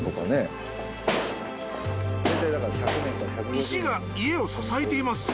石が家を支えています。